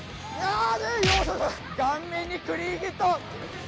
顔面にクリーンヒット。